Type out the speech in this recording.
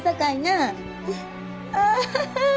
ああ！